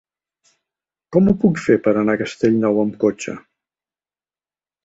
Com ho puc fer per anar a Castellnou amb cotxe?